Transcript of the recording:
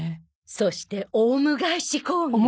そしてオウム返し攻撃。